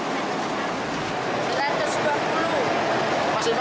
iya masih mahal maksudnya